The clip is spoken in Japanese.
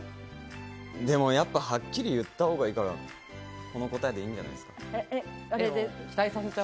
はっきり言ったほうがいいから、この答えでいいんじゃないですか？